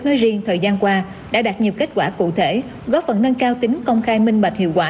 nói riêng thời gian qua đã đạt nhiều kết quả cụ thể góp phần nâng cao tính công khai minh bạch hiệu quả